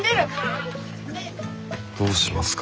どうしますか？